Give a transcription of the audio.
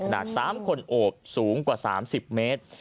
๓คนโอบสูงกว่า๓๐เมตร